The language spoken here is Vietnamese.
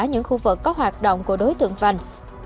những khu vực có hoạt động của đối tượng vành